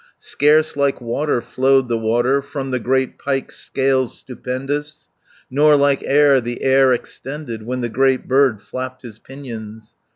Scarce like water flowed the water From the great pike's scales stupendous; Nor like air the air extended When the great bird flapped his pinions.